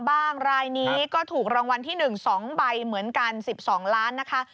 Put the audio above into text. รายนี้ก็ถูกรางวัลที่๑๒ใบเหมือนกัน๑๒ล้านนะคะ